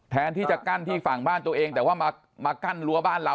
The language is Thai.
แทนที่จะกั้นที่ฝั่งบ้านตัวเองแต่ว่ามากั้นรั้วบ้านเรา